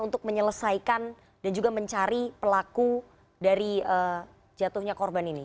untuk menyelesaikan dan juga mencari pelaku dari jatuhnya korban ini